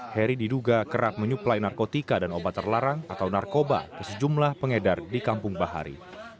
heri diduga kerap menyuplai narkotika dan obat terlarang atau narkoba ke sejumlah pengedar di kampung bahari